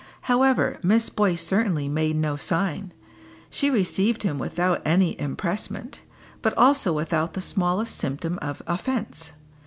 However, Miss Boyce certainly made no sign. She received him without any empressement, but also without the smallest symptom of offence.